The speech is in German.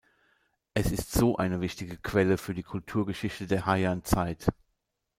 Es ist so eine wichtige Quelle für die Kulturgeschichte der Heian-Zeit.